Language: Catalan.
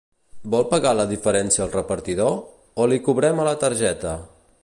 Vol pagar la diferència al repartidor, o li cobrem a la targeta?